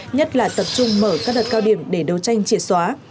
nhất là tập trung mở các đợt cao điểm để đấu tranh triệt xóa